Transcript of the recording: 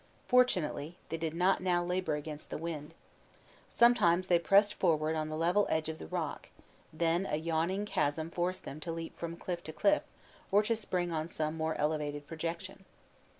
Fortunately, they did not now labor against the wind. Sometimes they pressed forward on the level edge of the rock; then a yawning chasm forced them to leap from cliff to cliff, or to spring on some more elevated projection.